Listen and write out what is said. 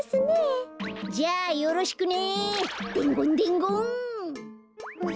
ヘヘじゃあよろしくね。